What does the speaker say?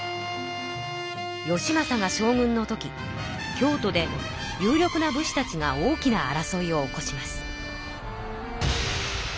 義政が将軍のとき京都で有力な武士たちが大きな争いを起こします。